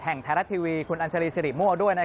แม้ว่าราคาพริกจะขึ้นลงยังไง